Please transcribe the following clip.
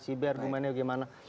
si b argumennya bagaimana